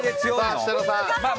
設楽さん。